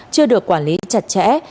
chưa được quản lý chặt chẽ